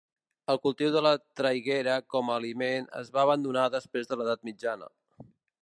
El cultiu de la traiguera com a aliment es va abandonar després de l'edat mitjana.